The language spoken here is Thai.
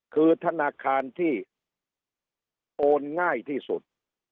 คือธนาคารที่โอนง่ายที่สุด